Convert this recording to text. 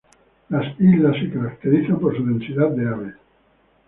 Las islas se caracterizan por su densidad de aves.